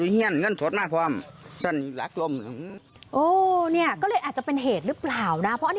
เพราะอันนี้เป็นการทำอะไรนะ